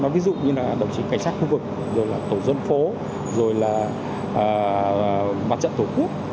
ví dụ như là đồng chí cảnh sát khu vực rồi là tổ dân phố rồi là mặt trận tổ quốc